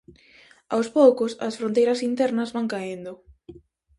Aos poucos, as fronteiras internas van caendo.